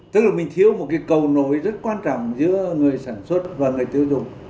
tức là mình thiếu một cái cầu nối rất quan trọng giữa người sản xuất và người tiêu dùng